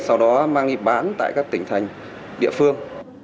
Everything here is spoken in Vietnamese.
sau đó mang đi bán tại các tỉnh thành địa phương